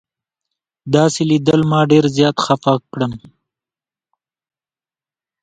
داسې لیدل ما ډېر زیات خفه کړم.